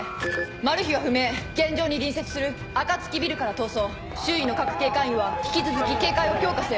マルヒは不明現場に隣接するあかつきビルから逃走周囲の各警戒員は引き続き警戒を強化せよ。